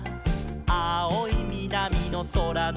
「あおいみなみのそらのした」